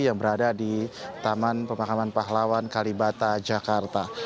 yang berada di taman pemakaman pahlawan kalibata jakarta